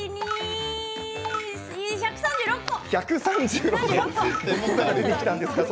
１３６個。